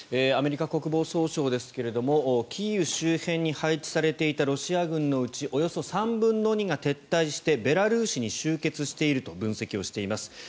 アメリカ国防総省ですがキーウ周辺に配置されていたロシア軍のうちおよそ３分の２が撤退してベラルーシに集結していると分析しています。